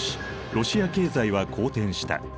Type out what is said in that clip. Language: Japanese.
ロシア経済は好転した。